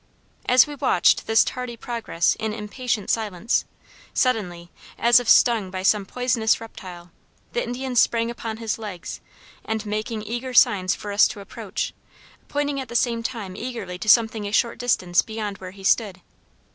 As we watched this tardy progress in impatient silence, suddenly, as if stung by some poisonous reptile, the Indian sprang upon his legs, and, making eager signs for us to approach, pointing at the same time eagerly to something a short distance beyond where he stood.